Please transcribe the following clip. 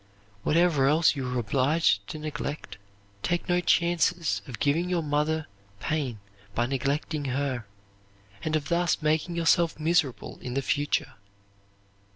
Whatever else you are obliged to neglect, take no chances of giving your mother pain by neglecting her, and of thus making yourself miserable in the future.